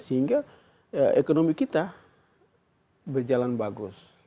sehingga ekonomi kita berjalan bagus